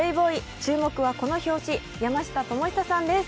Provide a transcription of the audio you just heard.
注目はこの表紙、山下智久さんです